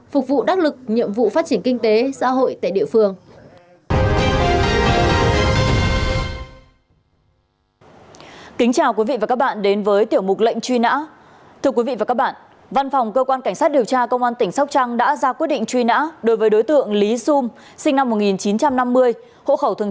phục vụ đắc lực nhiệm vụ phát triển kinh tế xã hội tại địa phương